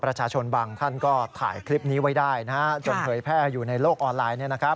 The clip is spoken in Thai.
ประชาชนบางท่านก็ถ่ายคลิปนี้ไว้ได้จนเผยแพร่อยู่ในโลกออนไลน์